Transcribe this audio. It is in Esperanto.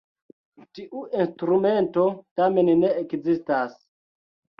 Tiu instrumento tamen ne ekzistas.